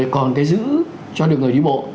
còn cái giữ cho được người đi bộ